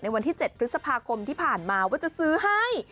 วันที่๗พฤษภาคมที่ผ่านมาว่าจะซื้อให้